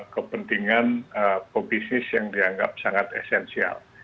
kepentingan pebisnis yang dianggap sangat esensial